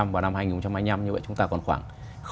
vào năm hai nghìn hai mươi năm như vậy chúng ta còn khoảng